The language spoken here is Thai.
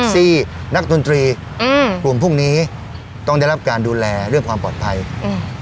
ที่นักดนตรีอืมกลุ่มพวกนี้ต้องได้รับการดูแลเรื่องความปลอดภัยอืม